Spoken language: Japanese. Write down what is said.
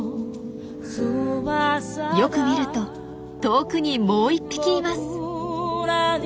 よく見ると遠くにもう１匹います。